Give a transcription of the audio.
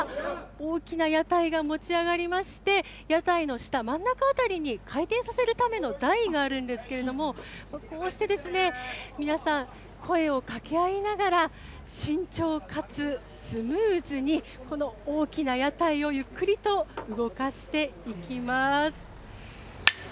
大きな屋台が持ち上がりまして、屋台の下、真ん中辺りに回転させるための台があるんですけれども、こうして皆さん、声をかけ合いながら、慎重かつスムーズに、この大きな屋台をゆっくりと動かしていきます。